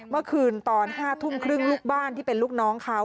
เมื่อคืนตอน๕ทุ่มครึ่งลูกบ้านที่เป็นลูกน้องเขา